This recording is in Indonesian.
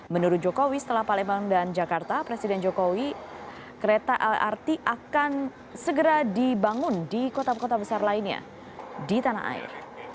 menurut jokowi setelah palembang dan jakarta presiden jokowi kereta lrt akan segera dibangun di kota kota besar lainnya di tanah air